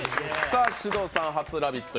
獅童さん、初「ラヴィット！」